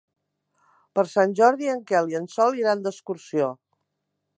Per Sant Jordi en Quel i en Sol iran d'excursió.